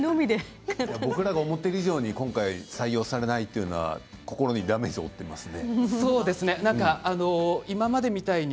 僕らが思う以上に採用されないというのは心にダメージを負っていますね。